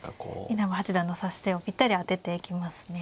稲葉八段の指し手をぴったり当てていきますね。